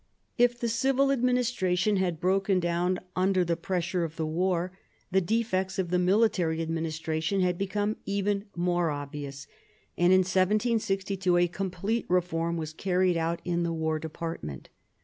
If the civil administration had broken down under the pressure of the war, the defects of the military administration had become even more obvious, and in 1762 a complete reform was carried out in the war department.